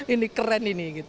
ini keren ini